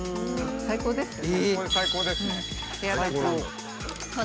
最高ですよね。